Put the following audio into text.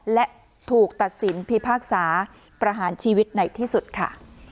และถูกตัดสินพิพากษาประหารชีวิตในที่สุดค่ะ